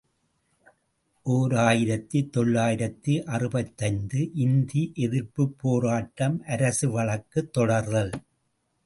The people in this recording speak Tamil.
ஓர் ஆயிரத்து தொள்ளாயிரத்து அறுபத்தைந்து ● இந்தி எதிர்ப்புப் போராட்டம், அரசு வழக்கு தொடர்தல்.